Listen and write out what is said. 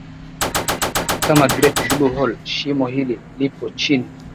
kama Great Blue hole Shimo hili lipo chini